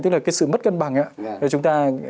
tức là cái sự mất cân bằng